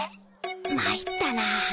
まいったな